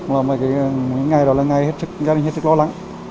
mà cái ngày đó là ngày hết sức gia đình hết sức lo lắng